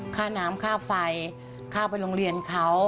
ค่าน้ำค่าไฟค่าไปโรงเรียนเขา